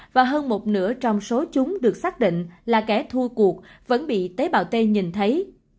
và hơn một nửa trong số chúng được xác định là kẻ thua cuộc vẫn bị tế bào tây nhìn thấy